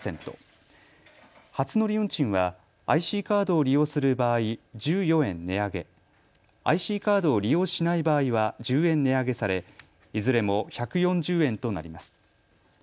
初乗り運賃はＩＣカードを利用する場合、１４円値上げ、ＩＣカードを利用しない場合は１０円値上げされいずれも１４０円となります。